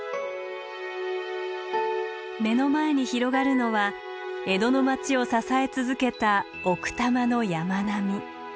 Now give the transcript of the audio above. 目の前に広がるのは江戸の町を支え続けた奥多摩の山並み。